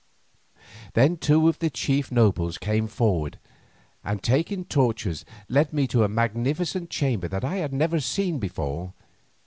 Then two of the chief nobles came forward, and taking torches led me to a magnificent chamber that I had never seen before.